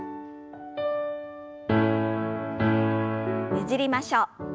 ねじりましょう。